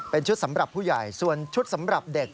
เป็นชุดสำหรับผู้ใหญ่ส่วนชุดสำหรับเด็ก